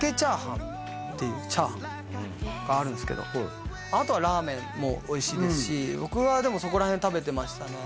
っていうチャーハンがあるんですけどあとはラーメンもおいしいですし僕はでもそこらへん食べてましたね